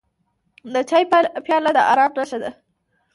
د چای پیاله د ارام نښه ده.